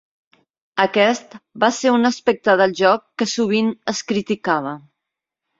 Aquest va ser un aspecte del joc que sovint es criticava.